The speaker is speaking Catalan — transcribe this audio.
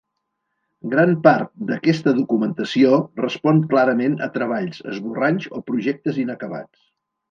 Gran part d'aquesta documentació respon clarament a treballs, esborranys o projectes inacabats.